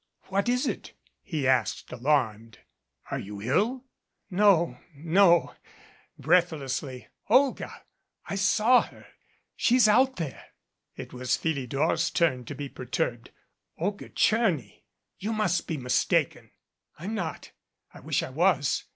"What is it?" he asked, alarmed. "Are you ill?" "No, no," breathlessly. "Olga ! I saw her. She's out there." It was Philidor's turn to be perturbed. "Olga Tcherny ! You must be mistaken." "I'm not. I wish I was.